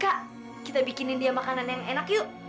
kak kita bikinin dia makanan yang enak yuk